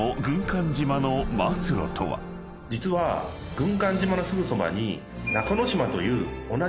実は軍艦島のすぐそばに。